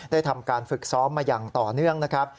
ทำการฝึกซ้อมมาอย่างต่อเนื่องนะครับ